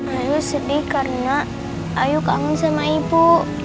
ayu sedih karena ayu kangen sama ibu